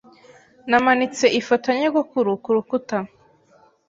Namanitse ifoto ya nyogokuru kurukuta. )